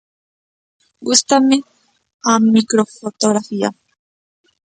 Gústame a microfotografía.